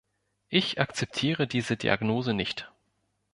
Ich akzeptiere diese Diagnose nicht.